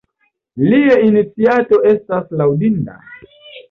La iniciato estas laŭdinda.